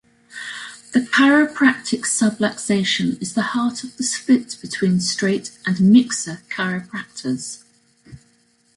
The chiropractic subluxation is the heart of the split between "straight" and "mixer" chiropractors.